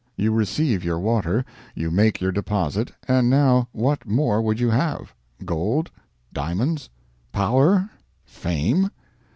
You receive your water, you make your deposit, and now what more would you have? Gold, diamonds, power, fame?